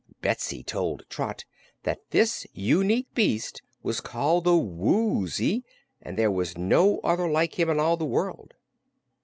Betsy told Trot that this unique beast was called the Woozy, and there was no other like him in all the world.